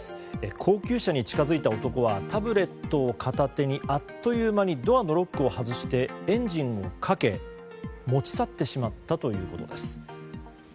高級車に近づいた男はタブレットを片手にあっという間にドアのロックを外してエンジンをかけ持ち去ってしまったということです。